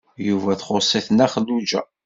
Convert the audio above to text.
Yuba ad ttxuṣ-it Nna Xelluǧa.